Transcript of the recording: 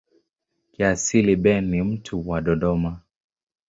Kiasili Ben ni mtu wa Dodoma.